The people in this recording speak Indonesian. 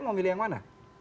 mau milih yang mana